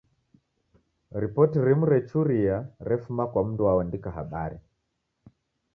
Ripoti rimu rechuria refuma kwa mndu oandika habari.